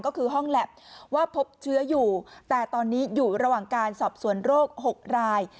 ก็คือห้องแล็บว่าพบเชื้ออยู่แต่ตอนนี้อยู่ระหว่างการสอบสวนโรค๖ราย